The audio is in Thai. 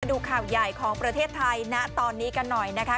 ดูข่าวใหญ่ของประเทศไทยณตอนนี้กันหน่อยนะคะ